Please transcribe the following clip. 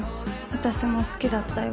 私も好きだったよ。